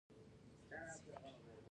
کمپیوټر په اداره کې مهم دی